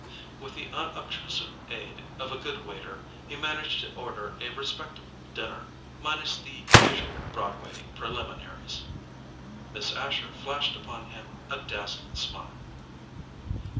With the unobtrusive aid of a good waiter he managed to order a respectable dinner, minus the usual Broadway preliminaries. Miss Asher flashed upon him a dazzling smile.